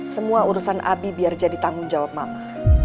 semua urusan abi biar jadi tanggung jawab mama